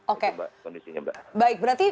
oke baik berarti